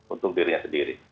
untuk dirinya sendiri